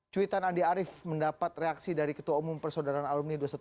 cuitan andi arief mendapat reaksi dari ketua umum persaudaraan alumni dua ratus dua